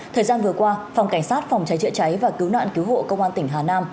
thời gian vừa qua phòng cảnh sát phòng cháy chữa cháy và cứu nạn cứu hộ công an tỉnh hà nam